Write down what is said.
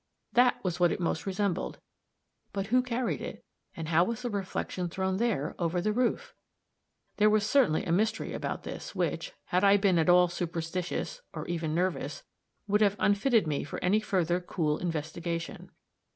That was what it most resembled; but who carried it, and how was the reflection thrown there, over the roof? There was certainly a mystery about this which, had I been at all superstitious, or even nervous, would have unfitted me for any further cool investigation.